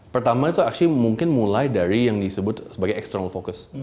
pertama itu actual mungkin mulai dari yang disebut sebagai external fokus